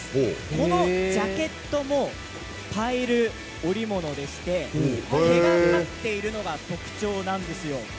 このジャケットもパイル織物でして毛が立っているのが特徴なんですよ。